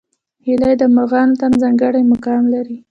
هیلۍ د مرغانو تر منځ ځانګړی مقام لري